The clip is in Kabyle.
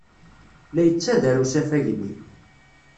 La yettader usafag-nni.